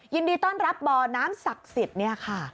ยินดีต้อนรับบ่อน้ำศักดิ์สิทธิ์เนี่ยค่ะ